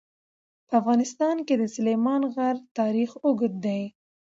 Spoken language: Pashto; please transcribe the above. په افغانستان کې د سلیمان غر تاریخ اوږد دی.